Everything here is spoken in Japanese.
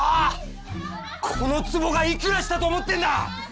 この壺がいくらしたと思ってんだ！